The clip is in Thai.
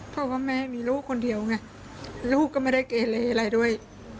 เพราะว่าแม่มีลูกคนเดียวไงลูกก็ไม่ได้เกเลอะไรด้วย